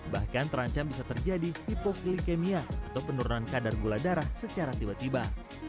bahkan terancam bisa terjadi hipoklikemia atau penurunan kadar gula darah secara tiba tiba